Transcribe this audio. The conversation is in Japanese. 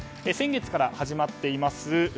先月から始まっています